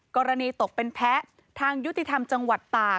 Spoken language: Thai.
ตกเป็นแพ้ทางยุติธรรมจังหวัดตาก